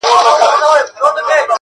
چي یې سور د میني نه وي په سینه کي،